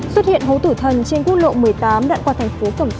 xuất hiện hấu tử thần trên quốc lộ một mươi tám đạn qua thành phố cẩm phả tỉnh quảng ninh